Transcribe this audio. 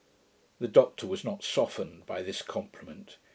The Doctor was not softened by this compliment.